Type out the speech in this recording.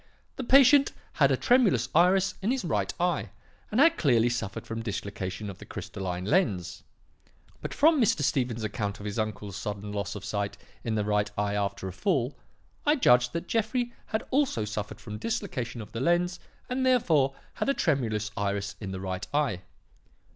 The patient had a tremulous iris in his right eye and had clearly suffered from dislocation of the crystalline lens. But from Mr. Stephen's account of his uncle's sudden loss of sight in the right eye after a fall, I judged that Jeffrey had also suffered from dislocation of the lens and therefore had a tremulous iris in the right eye.